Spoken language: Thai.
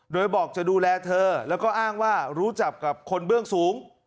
โดยบอกจะดูแลเธอแล้วก็อ้างว่ารู้จักกับคนเบื้องสูง